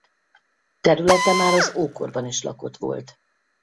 Területe már az ókorban is lakott volt.